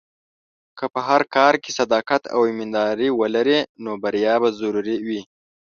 که په هر کار کې صداقت او ایمانداري ولرې، نو بریا به ضرور وي.